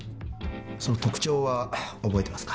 その特徴は覚えてますか？